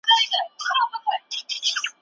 شپږ بندونه د یوې لنډې سندرې لپاره بس دي.